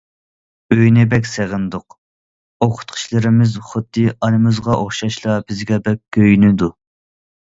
ئۆينى بەك سېغىندۇق، ئوقۇتقۇچىلىرىمىز خۇددى ئانىمىزغا ئوخشاشلا بىزگە بەك كۆيۈنىدۇ.